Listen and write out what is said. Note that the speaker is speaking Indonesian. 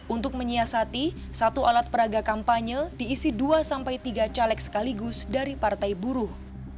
untuk menyiasati satu alat peraga kampanye diisi dua tiga caleg sekaligus dari partai buruh